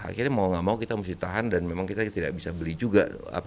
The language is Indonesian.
akhirnya mau gak mau kita mesti tahan dan memang kita tidak bisa beli juga